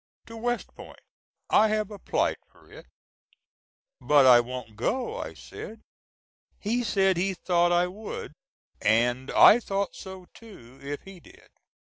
"To West Point; I have applied for it." "But I won't go," I said. He said he thought I would, AND I THOUGHT SO TOO, IF HE DID.